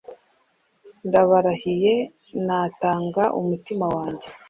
ndabarahiye, natanga umutima wanjye